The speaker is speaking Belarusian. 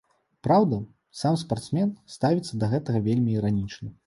Праўда, сам спартсмен ставіцца да гэтага вельмі іранічна.